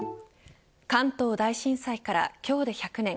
関東大震災から今日で１００年。